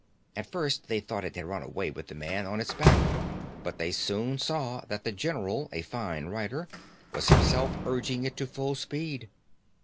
At first they thought it had run away with the man on its back; but they soon saw that the general, a fine rider, was himself urging it to full speed.